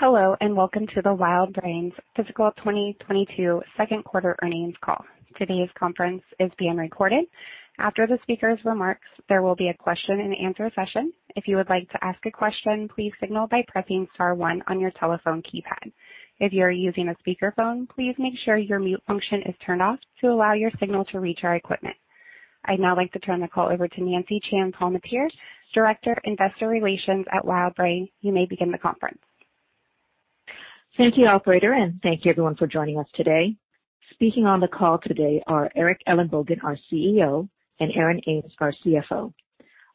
Hello, and welcome to WildBrain's fiscal 2022 second quarter earnings call. Today's conference is being recorded. After the speaker's remarks, there will be a question-and-answer session. If you would like to ask a question, please signal by pressing star one on your telephone keypad. If you're using a speakerphone, please make sure your mute function is turned off to allow your signal to reach our equipment. I'd now like to turn the call over to Nancy Chan-Palmateer, Director, Investor Relations at WildBrain. You may begin the conference. Thank you, operator, and thank you everyone for joining us today. Speaking on the call today are Eric Ellenbogen, our CEO, and Aaron Ames, our CFO.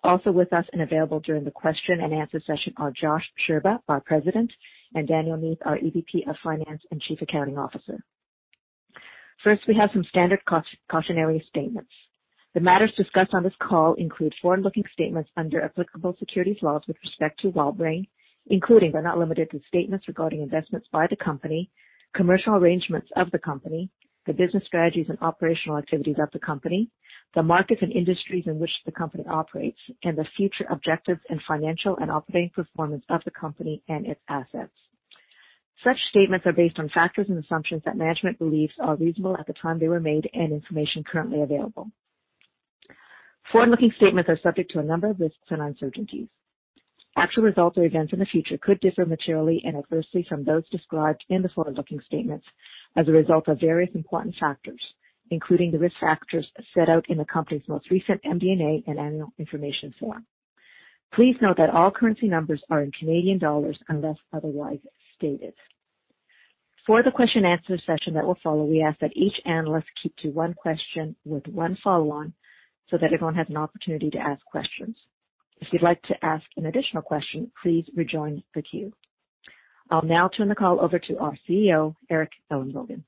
Also with us and available during the question-and-answer session are Josh Scherba, our President, and Danielle Neath, our EVP of Finance and Chief Accounting Officer. First, we have some standard cautionary statements. The matters discussed on this call include forward-looking statements under applicable securities laws with respect to WildBrain, including but not limited to statements regarding investments by the company, commercial arrangements of the company, the business strategies and operational activities of the company, the markets and industries in which the company operates, and the future objectives and financial and operating performance of the company and its assets. Such statements are based on factors and assumptions that management believes are reasonable at the time they were made and information currently available. Forward-looking statements are subject to a number of risks and uncertainties. Actual results or events in the future could differ materially and adversely from those described in the forward-looking statements as a result of various important factors, including the risk factors set out in the company's most recent MD&A and annual information form. Please note that all currency numbers are in Canadian dollars unless otherwise stated. For the question-and-answer session that will follow, we ask that each analyst keep to one question with one follow-on so that everyone has an opportunity to ask questions. If you'd like to ask an additional question, please rejoin the queue. I'll now turn the call over to our CEO, Eric Ellenbogen.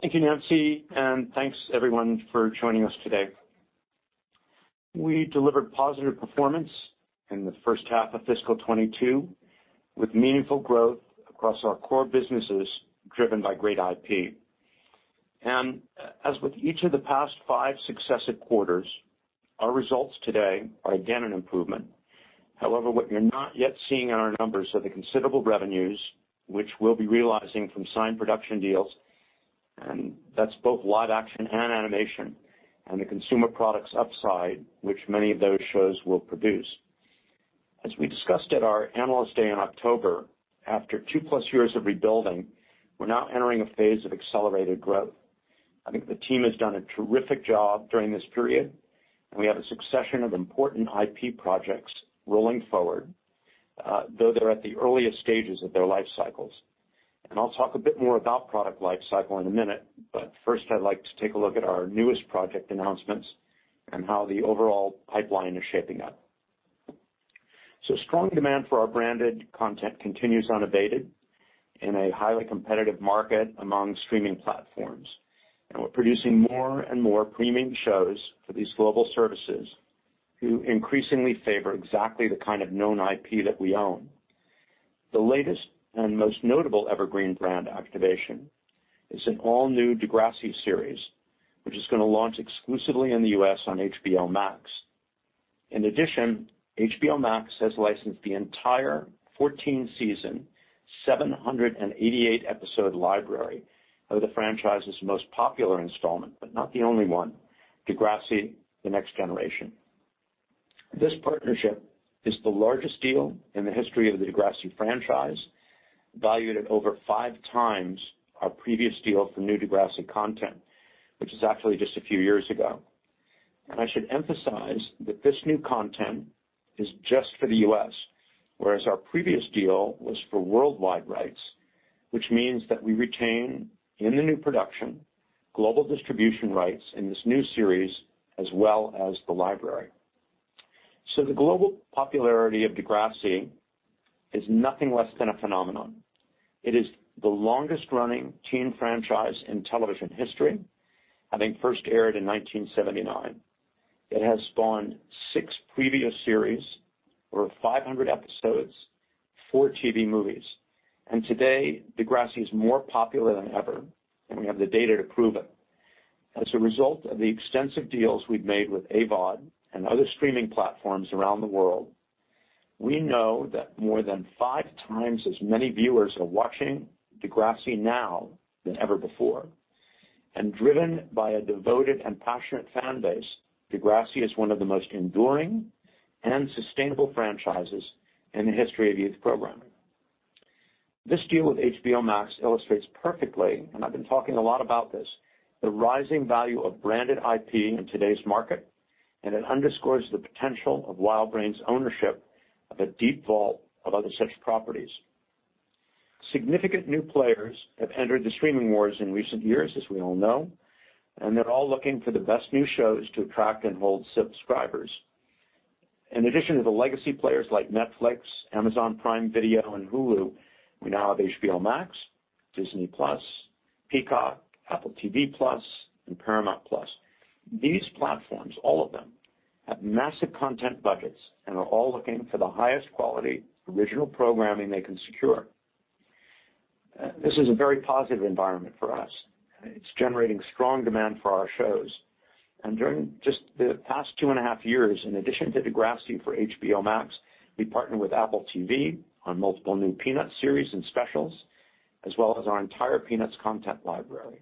Thank you, Nancy, and thanks everyone for joining us today. We delivered positive performance in the first half of fiscal 2022 with meaningful growth across our core businesses driven by great IP. As with each of the past five successive quarters, our results today are again an improvement. However, what you're not yet seeing in our numbers are the considerable revenues which we'll be realizing from signed production deals, and that's both live action and animation, and the consumer products upside which many of those shows will produce. As we discussed at our Analyst Day in October, after 2+ years of rebuilding, we're now entering a phase of accelerated growth. I think the team has done a terrific job during this period, and we have a succession of important IP projects rolling forward, though they're at the earliest stages of their life cycles. I'll talk a bit more about product life cycle in a minute, but first I'd like to take a look at our newest project announcements and how the overall pipeline is shaping up. Strong demand for our branded content continues unabated in a highly competitive market among streaming platforms, and we're producing more and more premium shows for these global services who increasingly favor exactly the kind of known IP that we own. The latest and most notable Evergreen brand activation is an all-new Degrassi series, which is gonna launch exclusively in the U.S. on HBO Max. In addition, HBO Max has licensed the entire 14-season, 788-episode library of the franchise's most popular installment, but not the only one, Degrassi: The Next Generation. This partnership is the largest deal in the history of the Degrassi franchise, valued at over 5x our previous deal for new Degrassi content, which is actually just a few years ago. I should emphasize that this new content is just for the U.S., whereas our previous deal was for worldwide rights, which means that we retain, in the new production, global distribution rights in this new series as well as the library. The global popularity of Degrassi is nothing less than a phenomenon. It is the longest-running teen franchise in television history, having first aired in 1979. It has spawned six previous series, over 500 episodes, four TV movies, and today, Degrassi is more popular than ever, and we have the data to prove it. As a result of the extensive deals we've made with AVOD and other streaming platforms around the world, we know that more than five times as many viewers are watching Degrassi now than ever before. Driven by a devoted and passionate fan base, Degrassi is one of the most enduring and sustainable franchises in the history of youth programming. This deal with HBO Max illustrates perfectly, and I've been talking a lot about this, the rising value of branded IP in today's market, and it underscores the potential of WildBrain's ownership of a deep vault of other such properties. Significant new players have entered the streaming wars in recent years, as we all know, and they're all looking for the best new shows to attract and hold subscribers. In addition to the legacy players like Netflix, Amazon Prime Video, and Hulu, we now have HBO Max, Disney+, Peacock, Apple TV+, and Paramount+. These platforms, all of them, have massive content buckets and are all looking for the highest quality original programming they can secure. This is a very positive environment for us. It's generating strong demand for our shows. During just the past two and a half years, in addition to Degrassi for HBO Max, we partnered with Apple TV+ on multiple new Peanuts series and specials, as well as our entire Peanuts content library.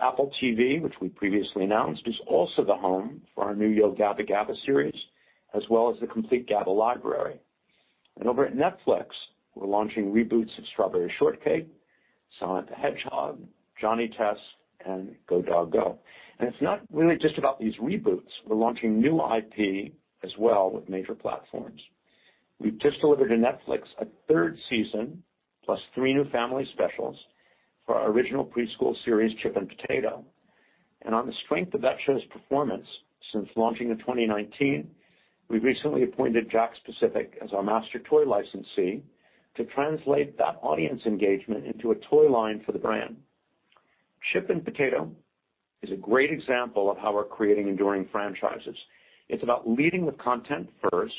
Apple TV+, which we previously announced, is also the home for our new Yo Gabba Gabba! series, as well as the complete Gabba library. Over at Netflix, we're launching reboots of Strawberry Shortcake, Sonic the Hedgehog, Johnny Test, and Go, Dog. Go! It's not really just about these reboots. We're launching new IP as well with major platforms. We've just delivered to Netflix a third season plus three new family specials for our original preschool series, Chip and Potato. On the strength of that show's performance since launching in 2019, we recently appointed JAKKS Pacific as our master toy licensee to translate that audience engagement into a toy line for the brand. Chip and Potato is a great example of how we're creating enduring franchises. It's about leading with content first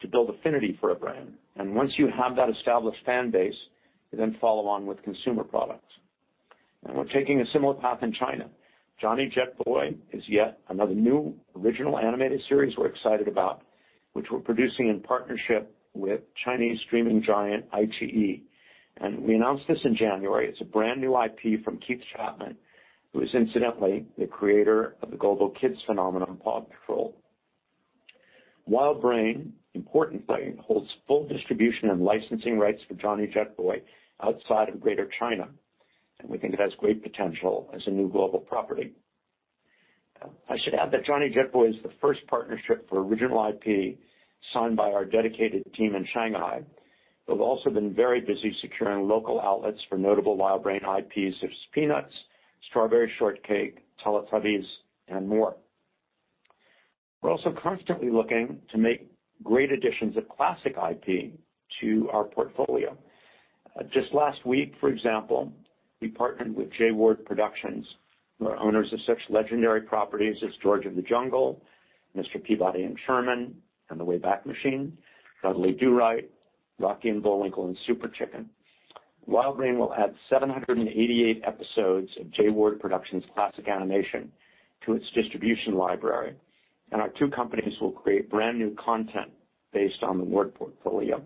to build affinity for a brand. Once you have that established fan base, you then follow on with consumer products. We're taking a similar path in China. Jonny Jetboy is yet another new original animated series we're excited about, which we're producing in partnership with Chinese streaming giant iQIYI. We announced this in January. It's a brand-new IP from Keith Chapman, who is incidentally the creator of the global kids phenomenon, PAW Patrol. WildBrain importantly holds full distribution and licensing rights for Jonny Jetboy outside of Greater China, and we think it has great potential as a new global property. I should add that Jonny Jetboy is the first partnership for original IP signed by our dedicated team in Shanghai, who have also been very busy securing local outlets for notable WildBrain IPs such as Peanuts, Strawberry Shortcake, Teletubbies, and more. We're also constantly looking to make great additions of classic IP to our portfolio. Just last week, for example, we partnered with Jay Ward Productions, who are owners of such legendary properties as George of the Jungle, Mr. Peabody & Sherman and the WABAC machine, Dudley Do-Right, Rocky & Bullwinkle, and Super Chicken. WildBrain will add 788 episodes of Jay Ward Productions classic animation to its distribution library, and our two companies will create brand-new content based on the Ward portfolio.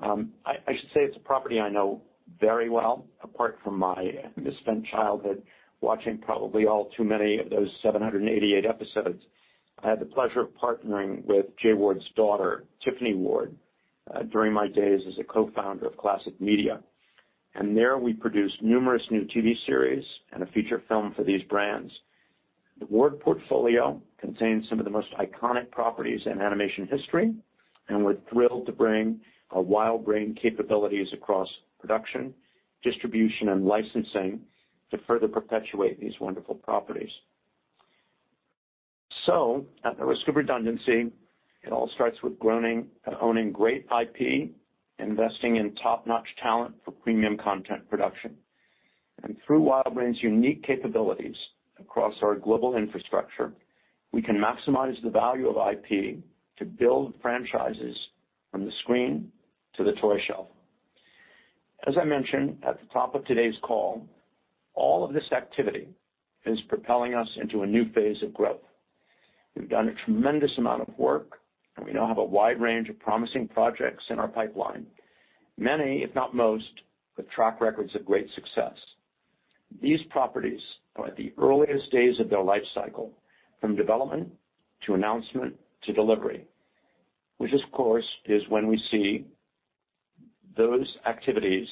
I should say it's a property I know very well. Apart from my misspent childhood watching probably all too many of those 788 episodes, I had the pleasure of partnering with Jay Ward's daughter, Tiffany Ward, during my days as a co-founder of Classic Media. There we produced numerous new TV series and a feature film for these brands. The Ward portfolio contains some of the most iconic properties in animation history, and we're thrilled to bring our WildBrain capabilities across production, distribution, and licensing to further perpetuate these wonderful properties. At the risk of redundancy, it all starts with owning great IP, investing in top-notch talent for premium content production. Through WildBrain's unique capabilities across our global infrastructure, we can maximize the value of IP to build franchises from the screen to the toy shelf. As I mentioned at the top of today's call, all of this activity is propelling us into a new phase of growth. We've done a tremendous amount of work, and we now have a wide range of promising projects in our pipeline, many, if not most, with track records of great success. These properties are at the earliest days of their life cycle from development to announcement to delivery, which of course, is when we see those activities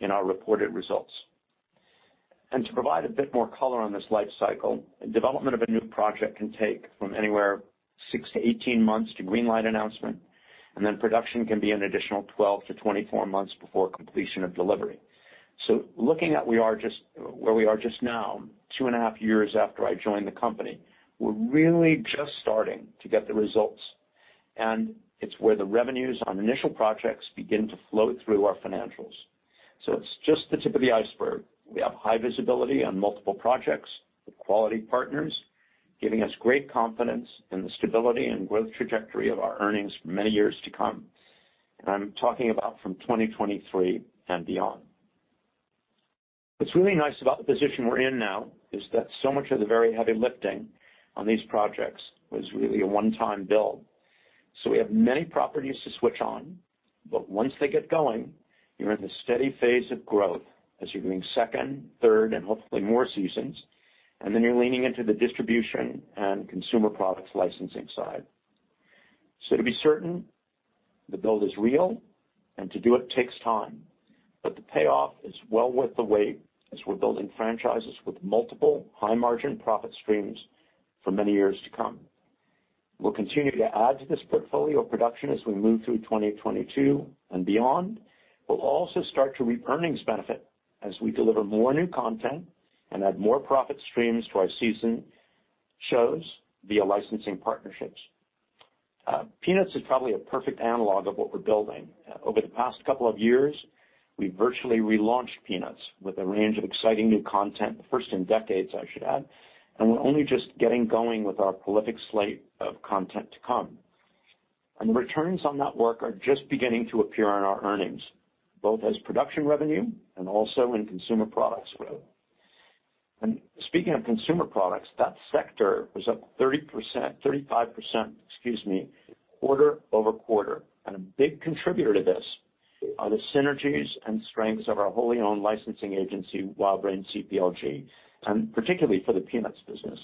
in our reported results. To provide a bit more color on this life cycle, development of a new project can take from anywhere, 6-18 months to greenlight announcement, and then production can be an additional 12-24 months before completion of delivery. Looking at where we are just now, 2.5 years after I joined the company, we're really just starting to get the results, and it's where the revenues on initial projects begin to flow through our financials. It's just the tip of the iceberg. We have high visibility on multiple projects with quality partners, giving us great confidence in the stability and growth trajectory of our earnings for many years to come. I'm talking about from 2023 and beyond. What's really nice about the position we're in now is that so much of the very heavy lifting on these projects was really a one-time build. We have many properties to switch on, but once they get going, you're in a steady phase of growth as you're doing second, third, and hopefully more seasons, and then you're leaning into the distribution and consumer products licensing side. To be certain, the build is real, and to do it takes time, but the payoff is well worth the wait as we're building franchises with multiple high-margin profit streams for many years to come. We'll continue to add to this portfolio of production as we move through 2022 and beyond. We'll also start to reap earnings benefit as we deliver more new content and add more profit streams to our season shows via licensing partnerships. Peanuts is probably a perfect analog of what we're building. Over the past couple of years, we virtually relaunched Peanuts with a range of exciting new content, the first in decades, I should add, and we're only just getting going with our prolific slate of content to come. The returns on that work are just beginning to appear on our earnings, both as production revenue and also in consumer products growth. Speaking of consumer products, that sector was up 35%, excuse me, quarter-over-quarter, and a big contributor to this are the synergies and strengths of our wholly owned licensing agency, WildBrain CPLG, and particularly for the Peanuts business.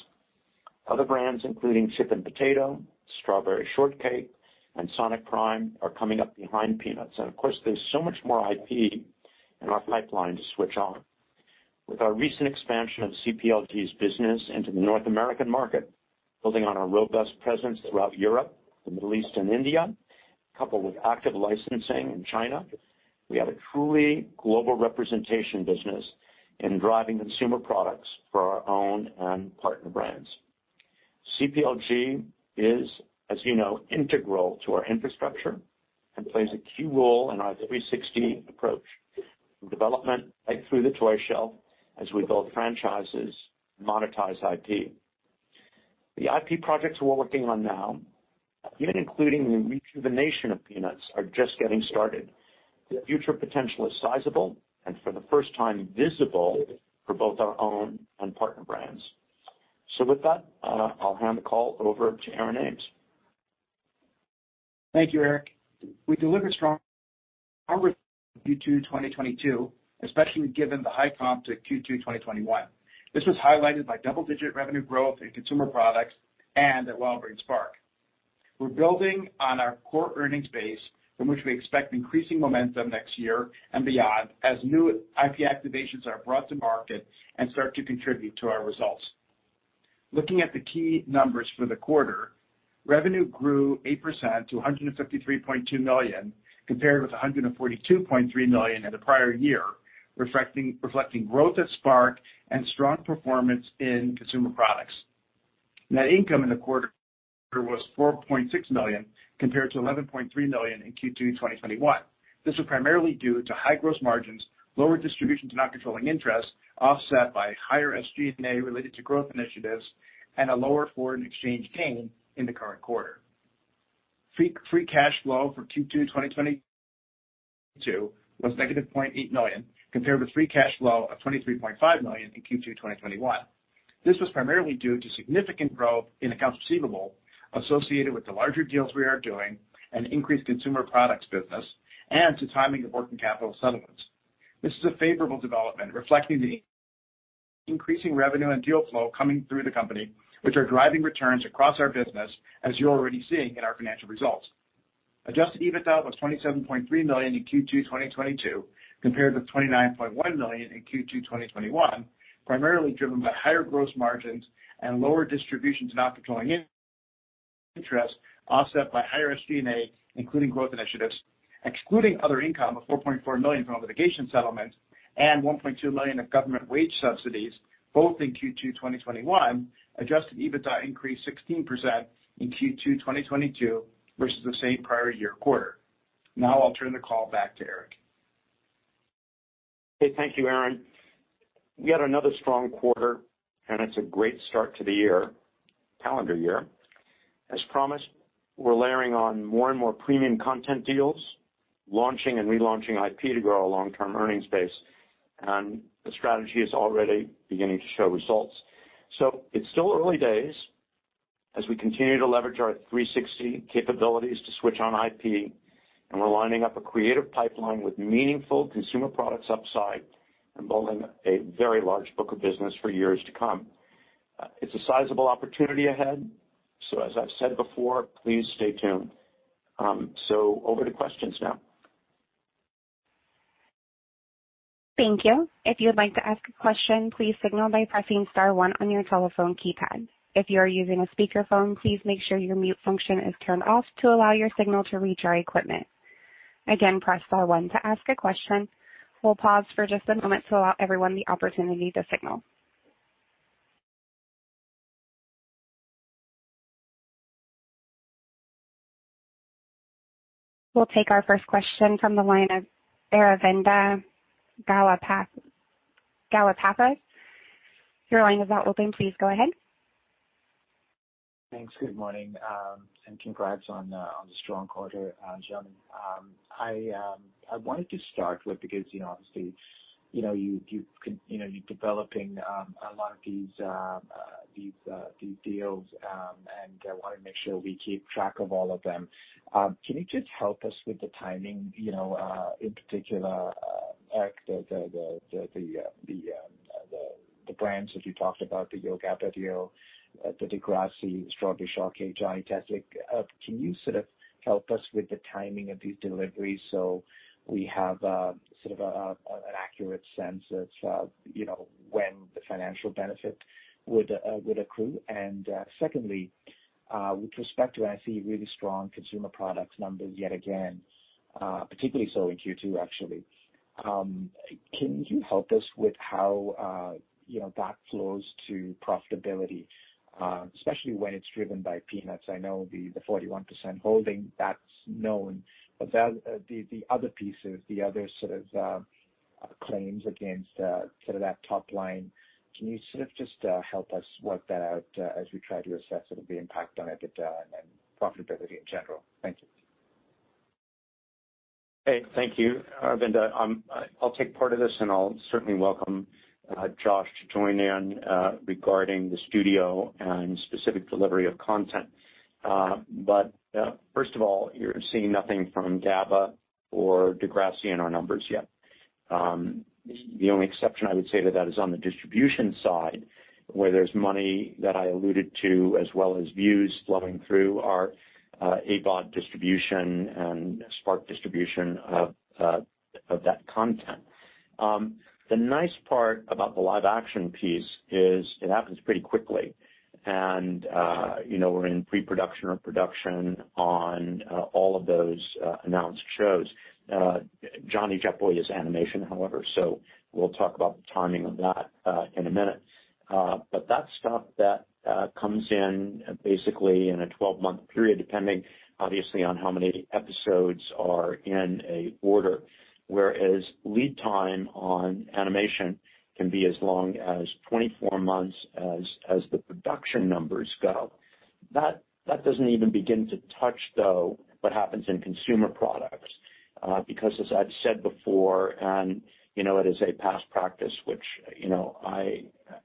Other brands, including Chip and Potato, Strawberry Shortcake, and Sonic Prime are coming up behind Peanuts. Of course, there's so much more IP in our pipeline to switch on. With our recent expansion of CPLG's business into the North American market, building on our robust presence throughout Europe, the Middle East, and India, coupled with active licensing in China, we have a truly global representation business in driving consumer products for our own and partner brands. CPLG is, as you know, integral to our infrastructure and plays a key role in our 360-approach from development right through the toy shelf as we build franchises and monetize IP. The IP projects we're working on now, even including the rejuvenation of Peanuts, are just getting started. The future potential is sizable and for the first time visible for both our own and partner brands. With that, I'll hand the call over to Aaron Ames. Thank you, Eric. We delivered 2022, especially given the high of Q2 2021. This is highlighted by double-digit revenue growth in consumer products and at WildBrain Spark. We are building on our "earning space" on which we expect increasing momentum next year and beyond as new IP activations are brought to market and start to contribute to our results. Looking at the key numbers for the quarter, revenue grew 8% to 153 million compare to 142.3 million in the prior year, reflecting growth at Spark and strong performance in consumer products. Net income in the quarter was 4.6 million compared to 11.3 million in Q2 2021. This is primarily due to high gross margins, lowered distributions to not controlling interest, offset by higher SG&A related to growth initiatives and a lower foreign exchange in the current quarter. Free cash flow for Q2 2022 was -CAD 0.8 million compared to free cashflow of 23.5 million in Q2 2021. This was primarily due to significant growth in accounts receiveable assiociated with the larger deals we are doing, and increased consumer products business, and to timing of working capital settlements. This is a favorable development, reflecting the increasing revenue and deal flow coming through the company, which are driving returns across our business as you're already seeing in our financial results. Adjusted EBITDA was 27.3 million in Q2 2022 compared to 29.1 million in Q2 2021, primarily driven by higher gross margins and lower distributions interests offset by higher SG&A including growth initiatives. Excluding other income of CAD of 4.4 million from litigation settlements and 1.2 million of government wage subsidies both in Q2 2021. Adjusted EBITDA increased 16% in Q2 2022 versus the same prior year quarter. Now, I'll turn the call back to Eric. Hey, thank you, Aaron. Yet another strong quarter and it's a great start to the year, calendar year. As promised, we're layering on more premium content deals, launching and relaunching IP to grow long-term earning space, and strategy is already beginning to show results. It's still early days, as we continue to leverage our 360 capabilities to switch on IP, and we're lining up a creative pipeline with meaningful consumer products upside and building a very large book of business for years to come. It's a sizeable opportunity ahead, so as I've said before, please stay tuned. Over to questions now. Thank you. If you'd like to ask a question, please signal by pressing star one on your telephone keypad. If you are using a speakerphone, please make sure your mute function is turned off to allow your signal to reach our equipment. Again, press star one to ask a question. We'll pause for just a moment to allow everyone the opportunity to signal. We'll take our first question from the line of Aravinda Galappatthige. Your line is now open. Please go ahead. Thanks. Good morning, and congrats on the strong quarter, gentlemen. I wanted to start with because, you know, obviously, you know, you're developing a lot of these deals, and I wanna make sure we keep track of all of them. Can you just help us with the timing, you know, in particular, Eric, the brands that you talked about, the Yo Gabba! deal, the Degrassi, Strawberry Shortcake, Johnny Test. Like, can you sort of help us with the timing of these deliveries so we have sort of an accurate sense of, you know, when the financial benefit would accrue? Secondly, with respect to I see really strong consumer products numbers yet again, particularly so in Q2, actually. Can you help us with how, you know, that flows to profitability, especially when it's driven by Peanuts? I know the 41% holding, that's known, but the other pieces, the other sort of claims against, sort of that top line, can you sort of just help us work that out, as we try to assess sort of the impact on EBITDA and profitability in general? Thank you. Hey, thank you, Aravinda. I'll take part of this, and I'll certainly welcome Josh to join in regarding the studio and specific delivery of content. First of all, you're seeing nothing from Yo Gabba Gabba! or Degrassi in our numbers yet. The only exception I would say to that is on the distribution side, where there's money that I alluded to, as well as views flowing through our AVOD distribution and Spark distribution of that content. The nice part about the live action piece is it happens pretty quickly. You know, we're in pre-production or production on all of those announced shows. Jonny Jetboy is animation, however, so we'll talk about the timing of that in a minute. That stuff that comes in basically in a 12-month period, depending obviously on how many episodes are in an order, whereas lead time on animation can be as long as 24 months as the production numbers go. That doesn't even begin to touch, though, what happens in consumer products. Because as I've said before, and you know it is a past practice which, you know, I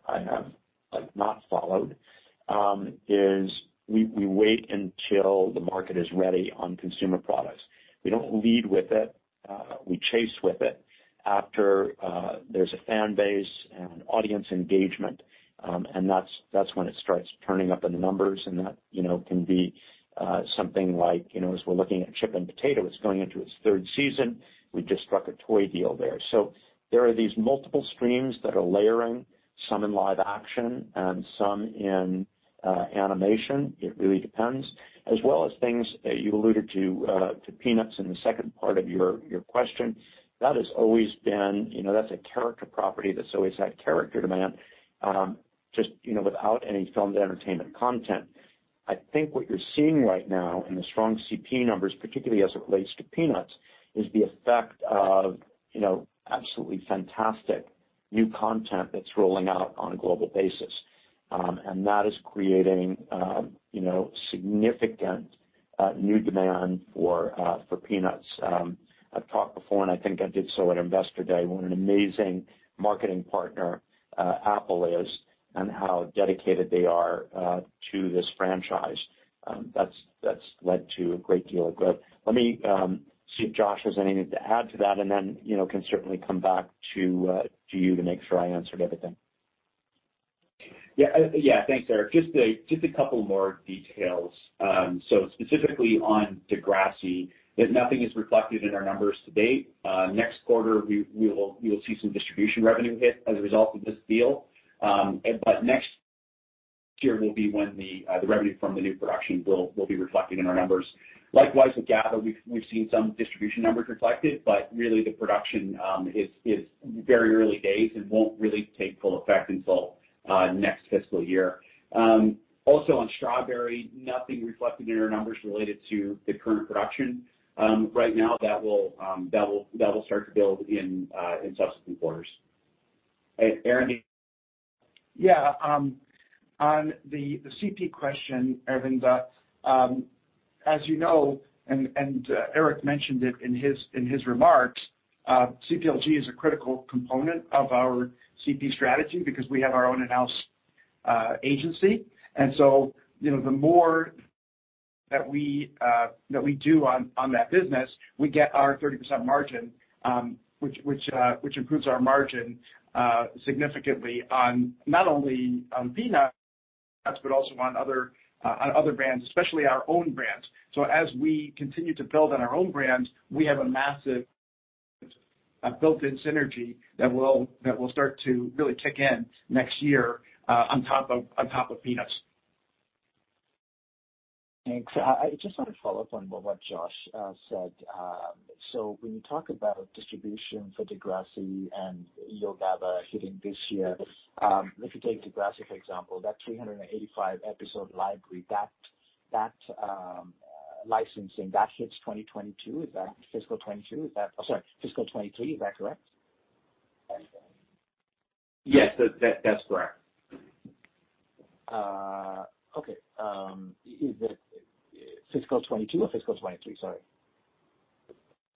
have, like, not followed, is we wait until the market is ready on consumer products. We don't lead with it, we chase with it after there's a fan base and audience engagement, and that's when it starts turning up in the numbers, and that, you know, can be something like, you know, as we're looking at Chip and Potato, it's going into its third season. We just struck a toy deal there. There are these multiple streams that are layering, some in live action and some in animation. It really depends. As well as things that you alluded to Peanuts in the second part of your question. That has always been, you know, that's a character property that's always had character demand, just, you know, without any filmed entertainment content. I think what you're seeing right now in the strong CP numbers, particularly as it relates to Peanuts, is the effect of, you know, absolutely fantastic new content that's rolling out on a global basis. That is creating, you know, significant new demand for Peanuts. I've talked before, and I think I did so at Investor Day, what an amazing marketing partner Apple is and how dedicated they are to this franchise. That's led to a great deal of growth. Let me see if Josh has anything to add to that and then, you know, can certainly come back to you to make sure I answered everything. Thanks, Eric. Just a couple more details. Specifically on Degrassi, nothing is reflected in our numbers to date. Next quarter, we will. You'll see some distribution revenue hit as a result of this deal. Next year will be when the revenue from the new production will be reflected in our numbers. Likewise, with Gabba, we've seen some distribution numbers reflected, but really the production is very early days and won't really take full effect until next fiscal year. Also on Strawberry, nothing reflected in our numbers related to the current production right now. That will start to build in subsequent quarters. Aaron? On the CP question, Aravinda, as you know, and Eric mentioned it in his remarks, CPLG is a critical component of our CP strategy because we have our own in-house agency. You know, the more that we do on that business, we get our 30% margin, which improves our margin significantly on not only Peanuts, but also on other brands, especially our own brands. As we continue to build on our own brands, we have a massive built-in synergy that will start to really kick in next year, on top of Peanuts. Thanks. I just want to follow up on what Josh said. When you talk about distribution for Degrassi and Yo Gabba! hitting this year, if you take Degrassi, for example, that 385 episode library, that licensing, that hits 2022. Is that fiscal 2022? I'm sorry, fiscal 2023, is that correct? Yes. That's correct. Okay. Is it fiscal 2022 or fiscal 2023? Sorry.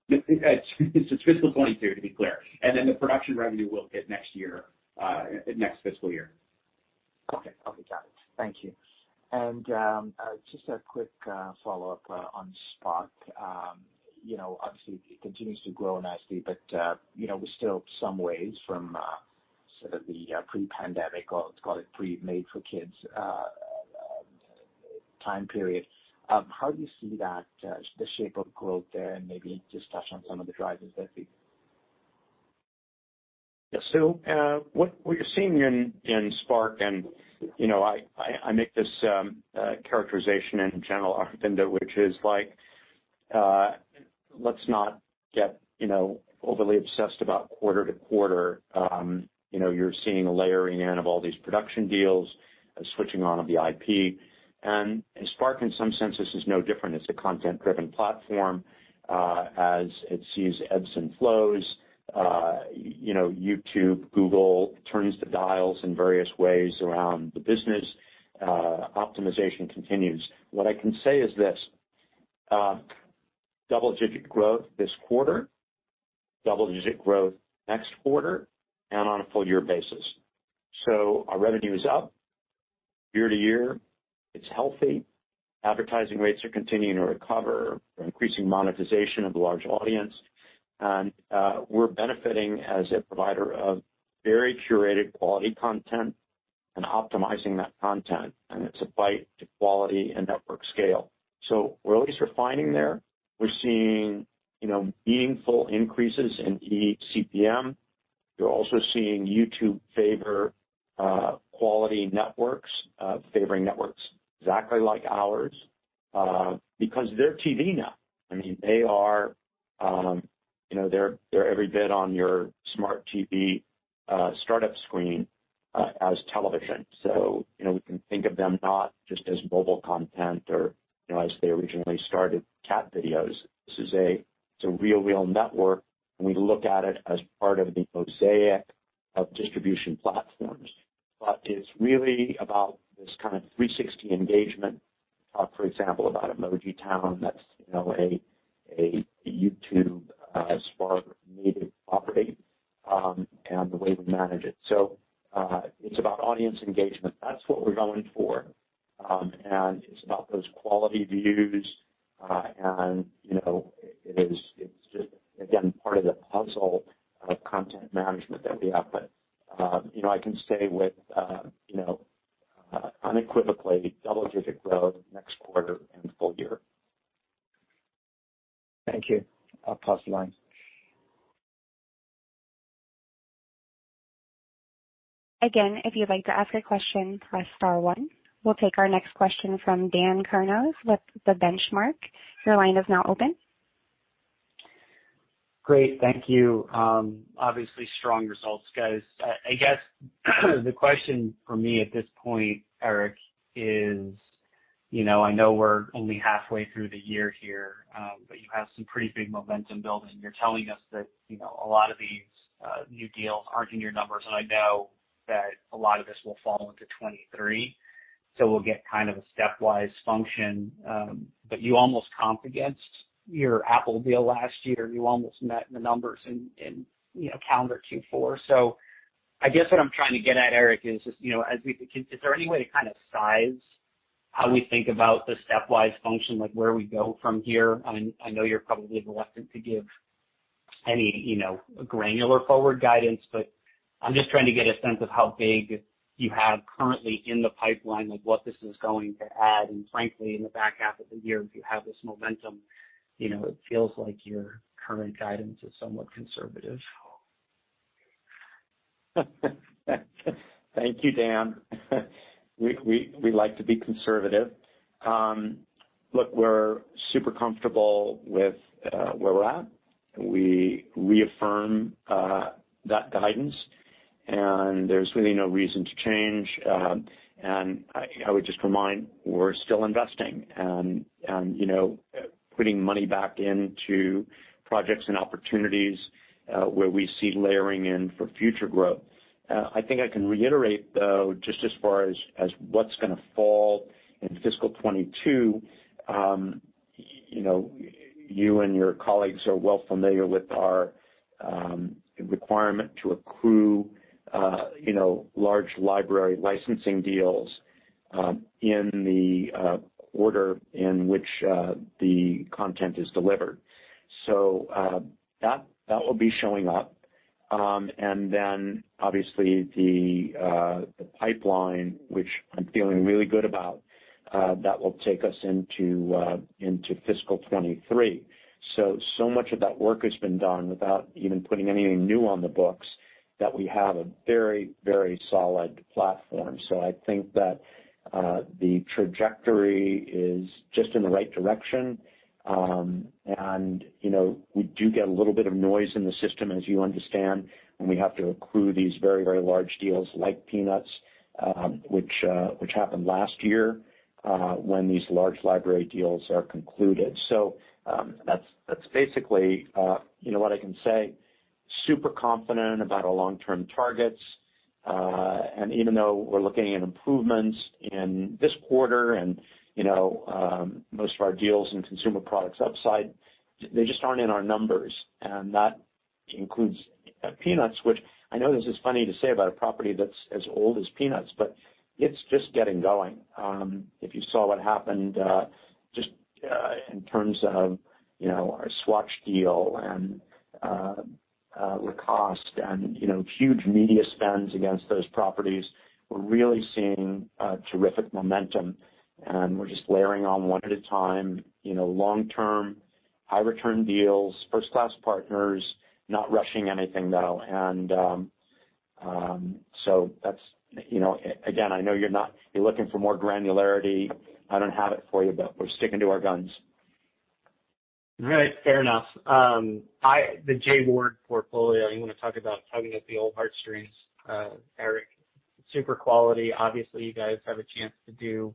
It's fiscal 2022, to be clear. The production revenue will hit next year, next fiscal year. Okay. Got it. Thank you. Just a quick follow-up on Spark. You know, obviously it continues to grow nicely, but you know, we're still some ways from sort of the pre-pandemic or let's call it pre-made for kids time period. How do you see that the shape of growth there? Maybe just touch on some of the drivers there, please. Yeah, what you're seeing in Spark and, you know, I make this characterization in general, Aravinda, which is like, let's not get, you know, overly obsessed about quarter-to-quarter. You know, you're seeing a layering in of all these production deals, a switching on of the IP. Spark, in some sense, this is no different. It's a content-driven platform, as it sees ebbs and flows. You know, YouTube, Google turns the dials in various ways around the business. Optimization continues. What I can say is this, double-digit growth this quarter, double-digit growth next quarter and on a full year basis. Our revenue is up year-to-year. It's healthy. Advertising rates are continuing to recover. We're increasing monetization of the large audience. We're benefiting as a provider of very curated quality content and optimizing that content, and it's a bet on quality and network scale. We're always refining there. We're seeing, you know, meaningful increases in eCPM. You're also seeing YouTube favor quality networks, favoring networks exactly like ours, because they're TV now. I mean, they are. You know, they're every bit on your smart TV startup screen as television. You know, we can think of them not just as mobile content or, you know, as they originally started as cat videos. It's a real network, and we look at it as part of the mosaic of distribution platforms. But it's really about this kind of 360 engagement, for example, about emojitown, that's a YouTube native operation and the way we manage it. It's about audience engagement. That's what we're going for. It's about those quality views. You know, it's just, again, part of the puzzle of content management that we have. You know, I can say unequivocally double-digit growth next quarter and full year. Thank you. I'll pause the line. Again, if you'd like to ask a question, press star one. We'll take our next question from Dan Kurnos with the Benchmark. Your line is now open. Great, thank you. Obviously strong results, guys. I guess the question for me at this point, Eric, is, you know, I know we're only halfway through the year here, but you have some pretty big momentum building. You're telling us that, you know, a lot of these new deals aren't in your numbers. I know that a lot of this will fall into 2023, so we'll get kind of a stepwise function. But you almost comp against your Apple deal last year. You almost met the numbers in you know, calendar Q4. I guess what I'm trying to get at, Eric, is just, you know, is there any way to kind of size how we think about the stepwise function, like, where we go from here? I know you're probably reluctant to give any, you know, granular forward guidance, but I'm just trying to get a sense of how big you have currently in the pipeline of what this is going to add. Frankly, in the back half of the year, if you have this momentum, you know, it feels like your current guidance is somewhat conservative. Thank you, Dan. We like to be conservative. Look, we're super comfortable with where we're at. We reaffirm that guidance, and there's really no reason to change. I would just remind we're still investing and, you know, putting money back into projects and opportunities where we see layering in for future growth. I think I can reiterate, though, just as far as what's gonna fall in fiscal 2022. You know, you and your colleagues are well familiar with our requirement to accrue, you know, large library licensing deals in the order in which the content is delivered. That will be showing up. Then obviously the pipeline, which I'm feeling really good about, that will take us into fiscal 2023. Much of that work has been done without even putting anything new on the books that we have a very, very solid platform. I think that the trajectory is just in the right direction. You know, we do get a little bit of noise in the system, as you understand, when we have to accrue these very, very large deals like Peanuts, which happened last year, when these large library deals are concluded. That's basically, you know, what I can say. Super confident about our long-term targets. Even though we're looking at improvements in this quarter and, you know, most of our deals in consumer products upside, they just aren't in our numbers. That includes Peanuts, which I know this is funny to say about a property that's as old as Peanuts, but it's just getting going. If you saw what happened just in terms of you know our Swatch deal and Lacoste and you know huge media spends against those properties, we're really seeing terrific momentum, and we're just layering on one at a time you know long-term high return deals first-class partners. Not rushing anything, though. That's. You know, again, I know you're looking for more granularity. I don't have it for you, but we're sticking to our guns. Right. Fair enough. The Jay Ward portfolio, you wanna talk about tugging at the old heartstrings, Eric. Super quality. Obviously, you guys have a chance to do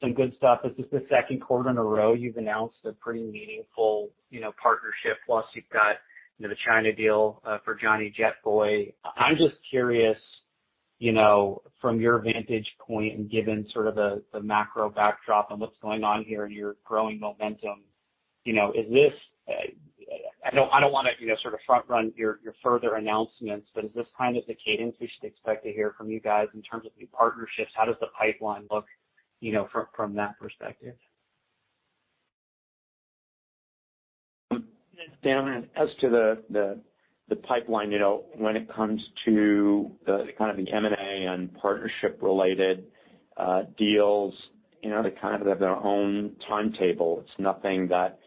some good stuff. This is the second quarter in a row you've announced a pretty meaningful, you know, partnership, plus you've got, you know, the China deal for Jonny Jetboy. I'm just curious, you know, from your vantage point and given sort of the macro backdrop on what's going on here and your growing momentum, you know, is this. I don't wanna, you know, sort of front run your further announcements, but is this kind of the cadence we should expect to hear from you guys in terms of new partnerships? How does the pipeline look, you know, from that perspective? Dan, as to the pipeline, you know, when it comes to the kind of the M&A and partnership-related deals, you know, they kind of have their own timetable. It's nothing that,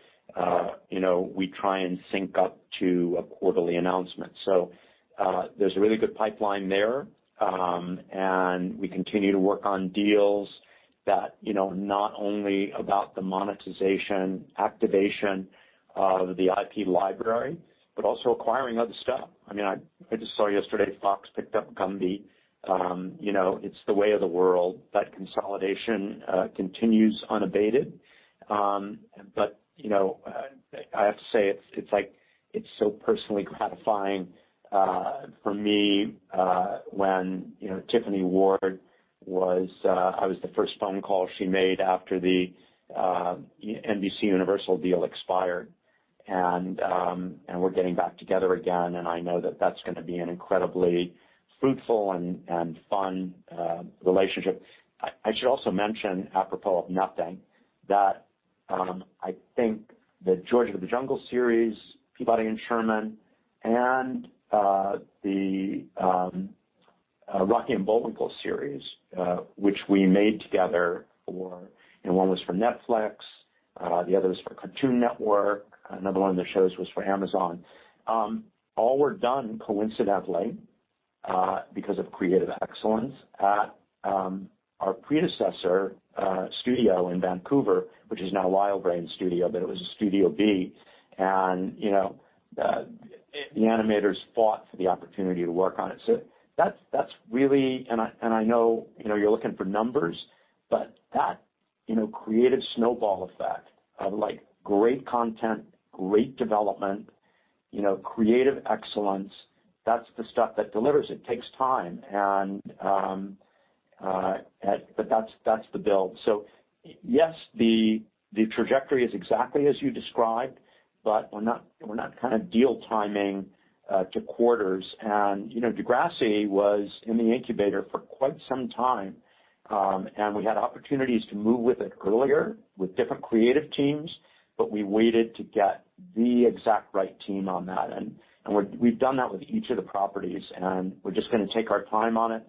you know, we try and sync up to a quarterly announcement. There's a really good pipeline there, and we continue to work on deals that, you know, not only about the monetization, activation of the IP library, but also acquiring other stuff. I mean, I just saw yesterday Fox picked up Gumby. You know, it's the way of the world. That consolidation continues unabated. You know, I have to say it's so personally gratifying for me, when, you know, Tiffany Ward was- I was the first phone call she made after the NBCUniversal deal expired. We're getting back together again, and I know that's gonna be an incredibly fruitful and fun relationship. I should also mention, apropos of nothing, that I think the George of the Jungle series, Peabody and Sherman, and the Rocky and Bullwinkle series, which we made together. One was for Netflix, the other was for Cartoon Network. Another one of the shows was for Amazon. All were done coincidentally because of creative excellence at our predecessor studio in Vancouver, which is now WildBrain Studios, but it was a Studio B. You know, the animators fought for the opportunity to work on it. That's really... I know, you know, you're looking for numbers, but that, you know, creative snowball effect of, like, great content, great development, you know, creative excellence, that's the stuff that delivers. It takes time. That's the build. Yes, the trajectory is exactly as you described, but we're not kind of deal timing to quarters. You know, Degrassi was in the incubator for quite some time, and we had opportunities to move with it earlier with different creative teams, but we waited to get the exact right team on that. We've done that with each of the properties, and we're just gonna take our time on it.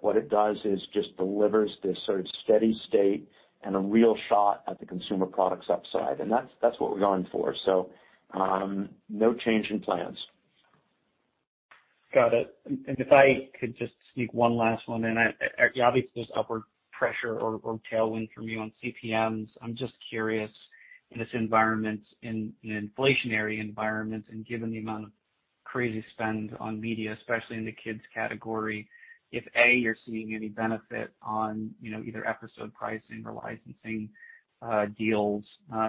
What it does is just delivers this sort of steady state and a real shot at the consumer products upside, and that's what we're going for. No change in plans. Got it. If I could just sneak one last one in. Obviously, there's upward pressure or tailwind from you on CPMs. I'm just curious, in this environment, in an inflationary environment, and given the amount of crazy spend on media, especially in the kids category, if A, you're seeing any benefit on, you know, either episode pricing or licensing deals.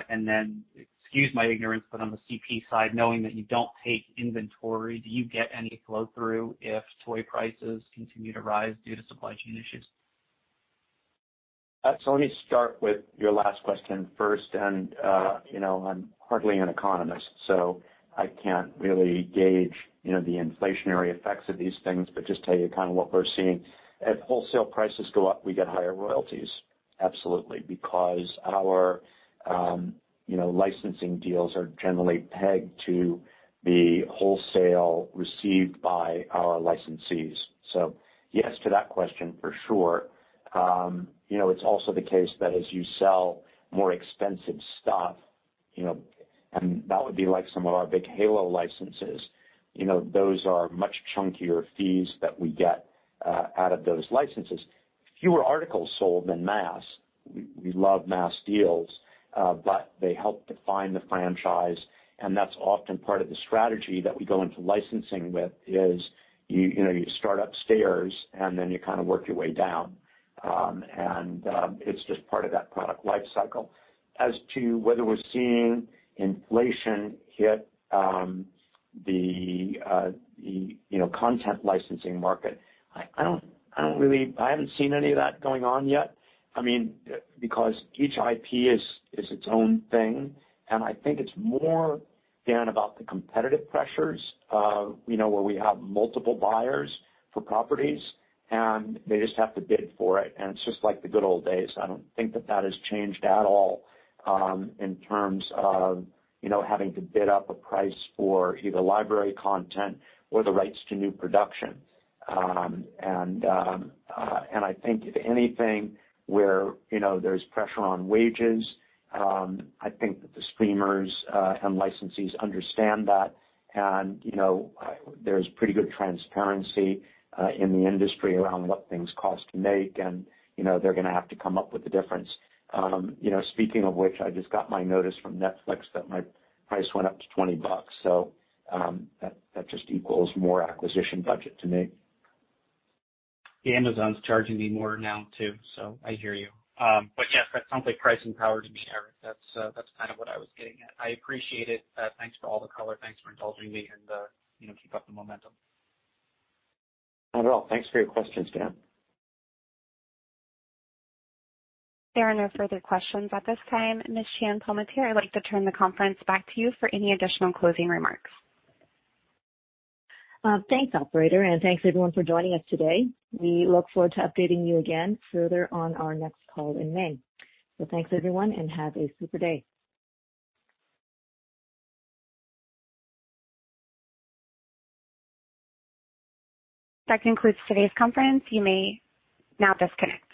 Then excuse my ignorance, but on the CP side, knowing that you don't take inventory, do you get any flow-through if toy prices continue to rise due to supply chain issues? Let me start with your last question first. You know, I'm hardly an economist, so I can't really gauge, you know, the inflationary effects of these things, but just tell you kinda what we're seeing. As wholesale prices go up, we get higher royalties, absolutely, because our, you know, licensing deals are generally pegged to the wholesale received by our licensees. Yes to that question for sure. You know, it's also the case that as you sell more expensive stuff, you know, and that would be like some of our big Halo licenses, you know, those are much chunkier fees that we get out of those licenses. Fewer articles sold than mass. We love mass deals, but they help define the franchise, and that's often part of the strategy that we go into licensing with is you know you start upstairs, and then you kinda work your way down. It's just part of that product life cycle. As to whether we're seeing inflation hit the you know content licensing market, I don't really. I haven't seen any of that going on yet. I mean, because each IP is its own thing. I think it's more, Dan, about the competitive pressures you know where we have multiple buyers for properties, and they just have to bid for it. It's just like the good old days. I don't think that has changed at all, in terms of, you know, having to bid up a price for either library content or the rights to new production. I think if anything where, you know, there's pressure on wages, I think that the streamers and licensees understand that. There's pretty good transparency in the industry around what things cost to make, and, you know, they're gonna have to come up with the difference. You know, speaking of which, I just got my notice from Netflix that my price went up to $20, so, that just equals more acquisition budget to me. Amazon's charging me more now too, so I hear you. Yes, that sounds like pricing power to me, Eric. That's kind of what I was getting at. I appreciate it. Thanks for all the color. Thanks for indulging me and, you know, keep up the momentum. Not at all. Thanks for your questions, Dan. There are no further questions at this time. Ms. Nancy Chan-Palmateer, I'd like to turn the conference back to you for any additional closing remarks. Thanks, operator, and thanks everyone for joining us today. We look forward to updating you again further on our next call in May. Thanks, everyone, and have a super day. That concludes today's conference. You may now disconnect.